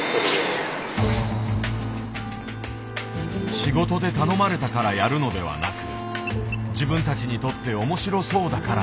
仕事で頼まれたからやるのではなく自分たちにとって面白そうだからやる。